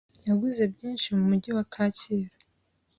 Yaguze byinshi mumujyi wa kacyiru